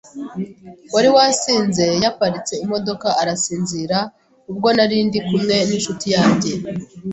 wari wasinze yaparitse imodoka arasinzira, ubwo nari ndi kumwe n’inshuti yanjye